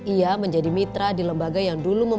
itu akan sempat anak dom po nyiba kamu sendiri sisi kamu